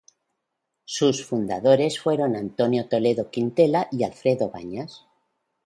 Sus fundadores fueron Antonio Toledo Quintela y Alfredo Brañas.